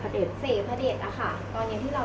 แล้วตอนนี้ผมจะต้องทำไม่ได้